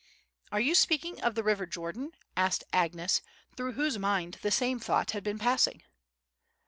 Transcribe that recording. "Are you speaking of the river Jordan?" asked Agnes, through whose mind the same thought had been passing.